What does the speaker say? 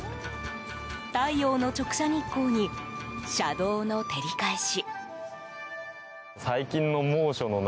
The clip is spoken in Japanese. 太陽の直射日光に車道の照り返し。